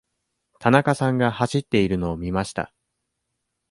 田中さんが走っているのを見ました。